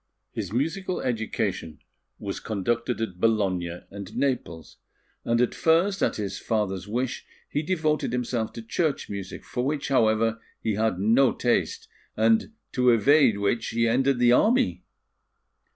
His musical education was conducted at Bologna and Naples; and at first, at his father's wish, he devoted himself to church music, for which, however, he had no taste, and to evade which he entered the army.